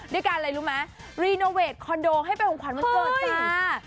ด้วยการอะไรรู้ไหมรีโนเวทคอนโดให้เป็นของขวัญวันเกิดจ้า